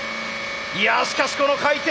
いやしかしこの回転音。